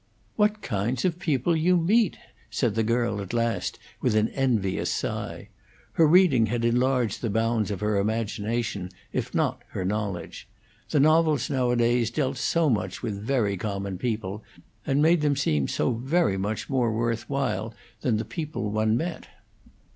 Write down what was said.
"What different kinds of people you meet!" said the girl at last, with an envious sigh. Her reading had enlarged the bounds of her imagination, if not her knowledge; the novels nowadays dealt so much with very common people, and made them seem so very much more worth while than the people one met.